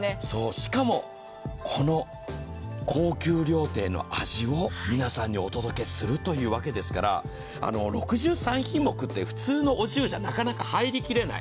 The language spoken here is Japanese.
しかも、高級料亭の味を皆さんにお届けするというわけですから、６３品目って普通のお重じゃなかなか入りきらない。